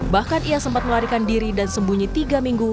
bahkan ia sempat melarikan diri dan sembunyi tiga minggu